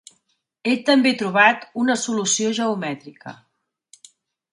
Ell també trobat una solució geomètrica.